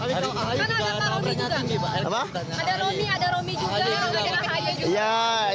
kan ada pak romi juga ada romi juga ada nahaya juga